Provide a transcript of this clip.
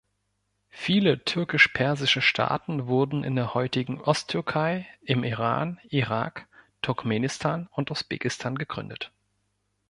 Viele türkisch-persische Staaten wurden in der heutigen Osttürkei, im Iran, Irak, Turkmenistan und Usbekistan gegründet.